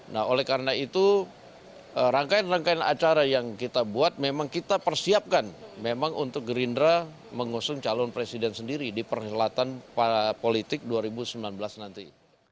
nah oleh karena itu rangkaian rangkaian acara yang kita buat memang kita persiapkan memang untuk gerindra mengusung calon presiden sendiri di perhelatan politik dua ribu sembilan belas nanti